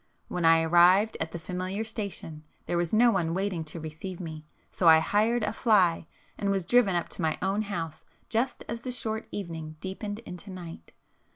When I arrived at the familiar station, there was no one waiting to receive me, so I hired a fly, and was driven up to my own house just as the short evening deepened into night.